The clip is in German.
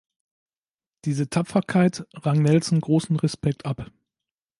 Diese Tapferkeit rang Nelson großen Respekt ab.